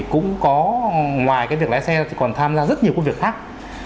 cũng có ngoài cái việc lái xe thì còn tham gia rất nhiều cái việc khác